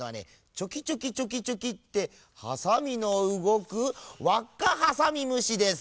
チョキチョキチョキチョキってハサミのうごく「わっかハサミむし」です。